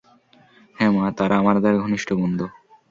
হ্যাঁঁ মা, তারা আমাদের ঘনিষ্ঠ বন্ধু।